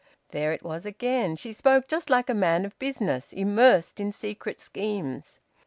There it was again! She spoke just like a man of business, immersed in secret schemes.